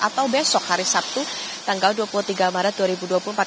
atau besok hari sabtu tanggal dua puluh tiga maret dua ribu dua puluh empat